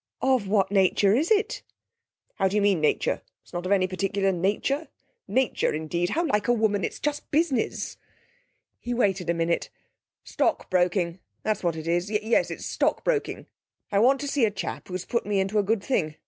'Of what nature is it?' 'How do you mean, nature? It's not of any particular nature. Nature, indeed! How like a woman! It's just business.' He waited a minute. 'Stockbroking; that's what it is. Yes, it's stockbroking. I want to see a chap who's put me in to a good thing.